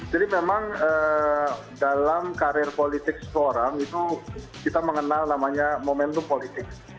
jadi memang dalam karir politik seorang itu kita mengenal namanya momentum politik